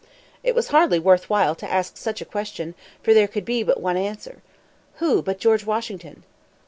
It was hardly worth while to ask such a question; for there could be but one answer. Who, but George Washington?